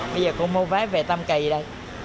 bây giờ có mua vé về tâm kỳ đây